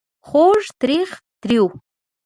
خوږ .. تریخ ... تریو ...